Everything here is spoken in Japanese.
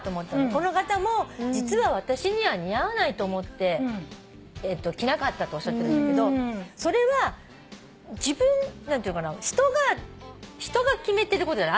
この方も実は私には似合わないと思って着なかったっておっしゃってるんだけどそれは何ていうのかな人が決めてることじゃない？